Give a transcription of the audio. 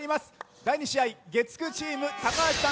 第２試合月９チーム高橋さん